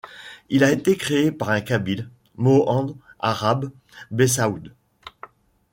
Il a été créé par un Kabyle, Mohand Arab Bessaoud.